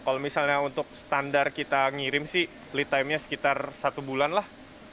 kalau misalnya untuk standar kita ngirim sih lead timenya sekitar satu bulan lah